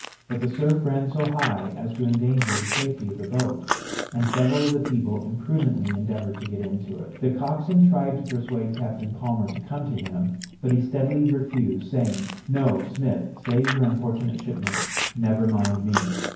But the surf ran so high as to endanger the safety of the boat, and several of the people imprudently endeavored to get into it. The coxswain tried to persuade Captain Palmer to come to him, but he steadily refused, saying, "No, Smith, save your unfortunate shipmates, never mind me."